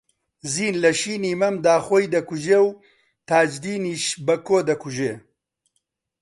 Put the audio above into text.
زین لە شینی مەمدا خۆی دەکوژێ و تاجدینیش بەکۆ دەکوژێ